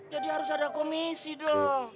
jadi harus ada komisi dong